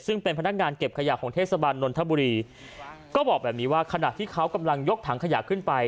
ซึ่งเป็นพนักงานเก็บขยะของเทศบาลนนทบุรีก็บอกแบบนี้ว่าขณะที่เขากำลังยกถังขยะขึ้นไป